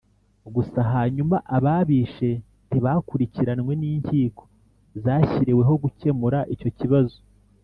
gusa hanyuma ababishe ntibakurikiranwe n'inkiko zashyiriweho gukemura icyo kibazo,